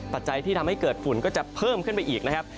ปัจจัยที่ทำให้เกิดฝุ่นก็จะเพิ่มขึ้นไปอีกนะครับ